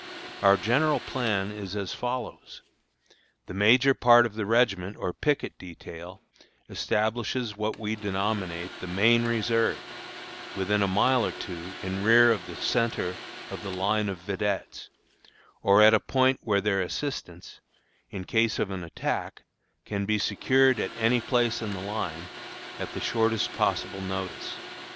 Our general plan is as follows: The major part of the regiment or picket detail establishes what we denominate the "main reserve" within a mile or two in rear of the centre of the line of vedettes, or at a point where their assistance, in case of an attack, can be secured at any place in the line, at the shortest possible notice.